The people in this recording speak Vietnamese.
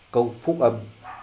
câu phúc âm